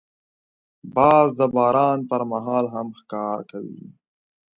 باز د باران پر مهال هم ښکار کوي